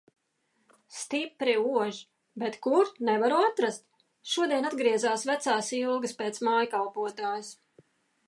Stipri ož. Bet kur - nevaru atrast. Šodien atgriezās vecās ilgas pēc mājkalpotājas.